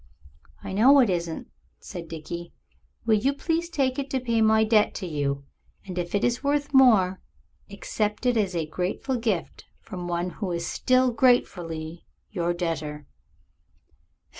"I know it isn't," said Dickie; "will you please take it to pay my debt to you, and if it is worth more, accept it as a grateful gift from one who is still gratefully your debtor."